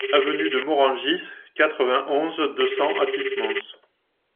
Avenue de Morangis, quatre-vingt-onze, deux cents Athis-Mons